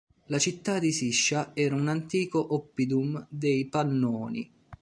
La città di "Siscia" era un antico "oppidum" dei Pannoni.